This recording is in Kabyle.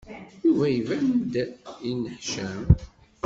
Yuba iban-d yenneḥcam.